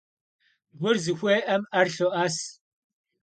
Gur zıxuê'em 'er lho'es.